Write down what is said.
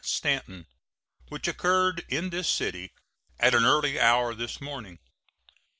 Stanton, which occurred in this city at an early hour this morning.